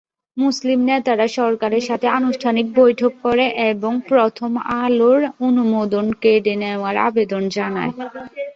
মুসলিম নেতারা সরকারের সাথে আনুষ্ঠানিক বৈঠক করে এবং প্রথম আলোর অনুমোদন কেড়ে নেবার আবেদন জানায়।